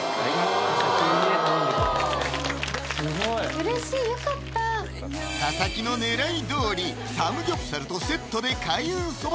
うれしいよかった佐々木の狙い通りサムギョプサルとセットで開運そば